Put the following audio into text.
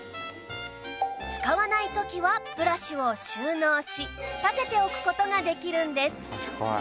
使わない時はブラシを収納し立てておく事ができるんです